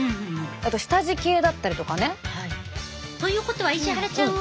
あと下地系だったりとかね。ということは石原ちゃんは日焼け止め